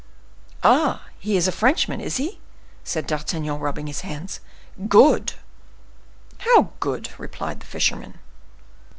"Ah! he is a Frenchman, is he?" said D'Artagnan, rubbing his hands. "Good!" "How good?" replied the fisherman.